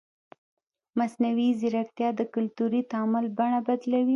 مصنوعي ځیرکتیا د کلتوري تعامل بڼه بدلوي.